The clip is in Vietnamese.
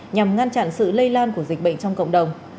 nhằm ngăn chặn sự lây lan của dịch bệnh trong cộng đồng